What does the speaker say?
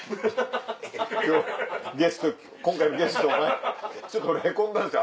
今日ゲスト今回のゲストちょっと俺へこんだんですよ。